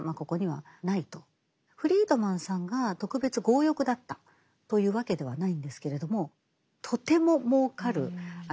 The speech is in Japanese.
フリードマンさんが特別強欲だったというわけではないんですけれどもとても儲かるドクトリン。